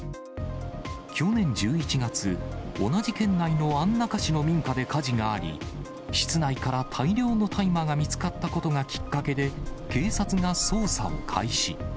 去年１１月、同じ県内の安中市の民家で火事があり、室内から大量の大麻が見つかったことがきっかけで警察が捜査を開始。